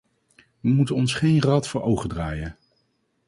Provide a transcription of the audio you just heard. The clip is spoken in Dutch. We moeten ons geen rad voor ogen draaien.